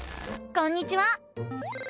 こんにちは！